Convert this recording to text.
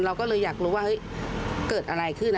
เราก็เลยอยากรู้ว่าเกิดอะไรขึ้น